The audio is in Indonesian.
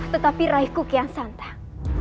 tetapi raih kuki yang santai